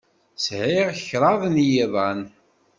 Sɛiɣ kraḍ n yiḍan.